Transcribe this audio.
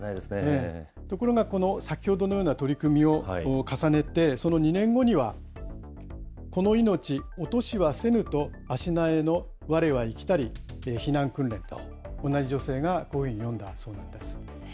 ところがこの先ほどのような取り組みを重ねて、その２年後には、この命落としはせぬと足萎えの我は生きたり避難訓練と、同じ女性がこういうふうに詠んだそうなんです。